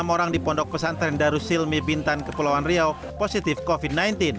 enam orang di pondok pesantren darussilmi bintan kepulauan riau positif covid sembilan belas